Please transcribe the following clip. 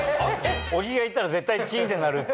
小木が言ったら絶対チンって鳴るって。